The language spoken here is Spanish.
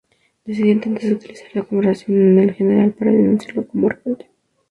Decidió entonces utilizar la conversación con el general para denunciarlo como rebelde.